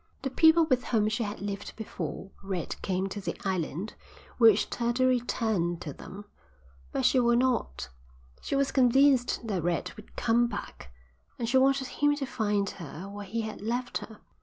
The people with whom she had lived before Red came to the island wished her to return to them, but she would not; she was convinced that Red would come back, and she wanted him to find her where he had left her.